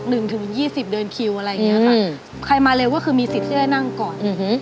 หนึ่งถึงยี่สิบเดินคิวอะไรอย่างเงี้ยค่ะใครมาเร็วก็คือมีสิทธิ์ที่จะได้นั่งก่อนอืม